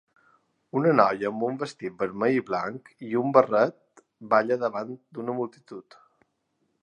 Una noia amb un vestit vermell i blanc i un barret balla davant d'una multitud